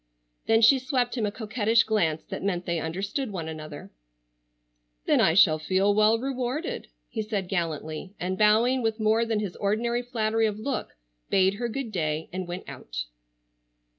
Then she swept him a coquettish glance that meant they understood one another. "Then I shall feel well rewarded," he said gallantly, and bowing with more than his ordinary flattery of look bade her good day and went out.